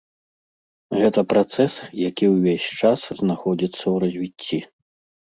Гэта працэс, які ўвесь час знаходзіцца ў развіцці.